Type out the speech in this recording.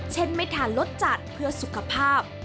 ไม่ทานรสจัดเพื่อสุขภาพ